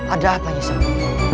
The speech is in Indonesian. ada apa yang seru